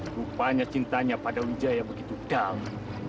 rupanya cintanya pada ngujaya begitu dalam